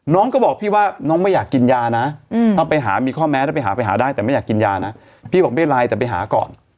น้องก็บอกพี่ว่าน้องไม่อยากกินยานะถ้าไปหามีข้อแม้แล้วไปหาไปหาได้แต่ไม่อยากกินยานะพี่บอกไม่ไลน์แต่ไปหาก่อน